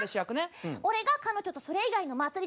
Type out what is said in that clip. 俺が彼女とそれ以外の祭り